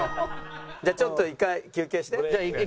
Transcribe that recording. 「じゃあちょっと一回休憩して」。